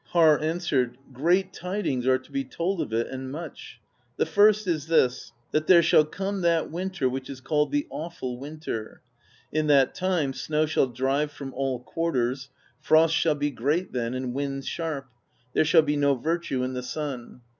Harr answered: "Great tidings are to be told of it, and much. The first is this, that there shall come that winter which is called the Awful Winter: in that time snow shall drive from all quarters; frosts shall be great then, and winds sharp; there shall be no virtue in the sun.